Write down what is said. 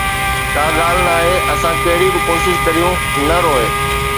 ڪا ڳالهه ناهي اسان ڪهڙي به ڪوشش ڪريون، نه روءِ